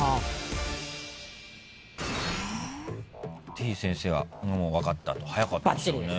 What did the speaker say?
てぃ先生はもう分かったと早かったですよね。